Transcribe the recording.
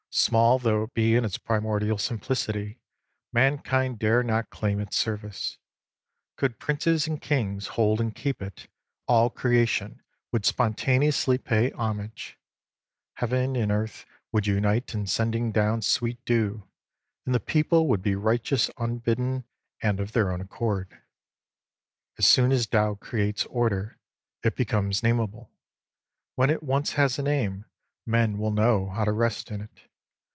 Small though it be in its primordial simplicity, mankind dare not claim its service. Could princes and kings hold and keep it, all creation would spontaneously pay homage. Heaven and Earth would unite in sending down sweet dew, and the people would be righteous unbidden and of their own accord. As soon as Tao creates order, it becomes name able. When it once has a name, men will know how to rest in it.